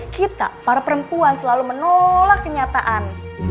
kita para perempuan selalu menolak kenyataan